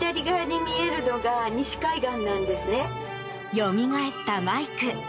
よみがえったマイク。